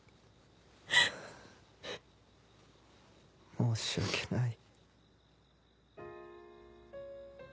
申し訳ない。